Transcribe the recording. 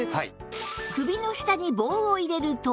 首の下に棒を入れると